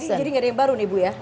jadi nggak ada yang baru nih bu ya